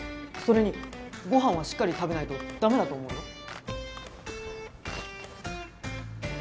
それに御飯はしっかり食べないと駄目だと思うよ。